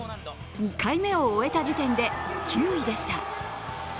２回目を終えた時点で９位でした。